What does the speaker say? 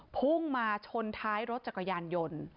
พุ่งมาชนท้ายรถจักรยานยนต์